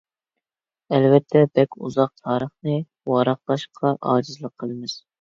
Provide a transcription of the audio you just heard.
ئەلۋەتتە بەك ئۇزاق تارىخنى ۋاراقلاشقا ئاجىزلىق قىلىمىز.